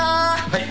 はい。